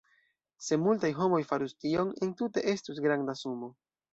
Se multaj homoj farus tion, entute estus granda sumo.